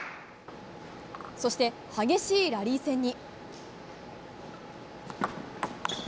そして激しいラリー戦に。